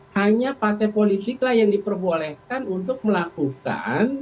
hanya partai politiklah yang diperbolehkan untuk melakukan